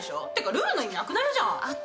ってかルールの意味なくなるじゃん！